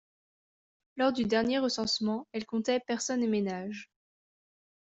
Lors du dernier recensement, elle comptait personnes et ménages.